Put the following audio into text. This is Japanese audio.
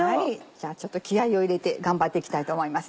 じゃあちょっと気合を入れて頑張っていきたいと思います。